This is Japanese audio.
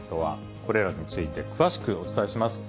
これらについて詳しくお伝えします。